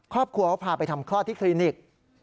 ครอบครัวเขาพาไปทำคลอดที่คลินิก